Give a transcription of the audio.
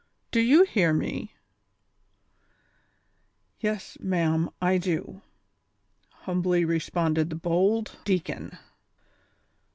Do you hear me V " "Yes, ma'am, I do," humbly responded the bold (V) deacon.